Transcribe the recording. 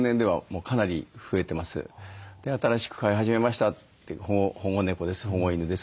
「新しく飼い始めました」って「保護猫です」